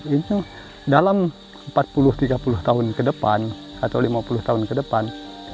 itu dalam empat puluh tiga puluh tahun ke depan atau lima puluh tahun ke depan